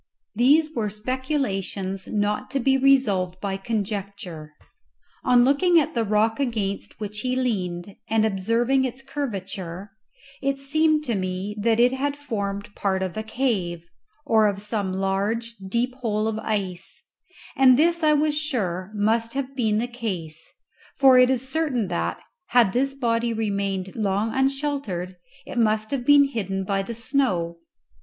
These were speculations not to be resolved by conjecture. On looking at the rock against which he leaned and observing its curvature, it seemed to me that it had formed part of a cave, or of some large, deep hole of ice; and this I was sure must have been the case, for it is certain that, had this body remained long unsheltered, it must have been hidden by the snow.